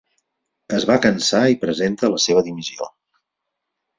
Es va cansar i presenta la seva dimissió.